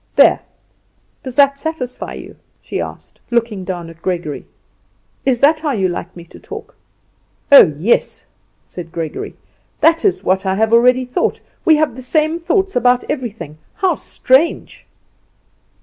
There, does that satisfy you?" she asked, looking down at Gregory. "Is that how you like me to talk?" "Oh, yes," said Gregory, "that is what I have already thought. We have the same thoughts about everything. How strange!"